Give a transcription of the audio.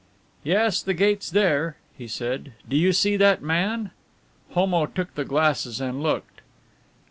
"Yes, the gate's there," he said. "Do you see that man?" Homo took the glasses and looked.